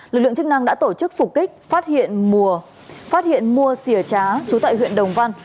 lực lượng chức năng đã tổ chức phục kích phát hiện mùa xìa trá trú tại huyện đồng văn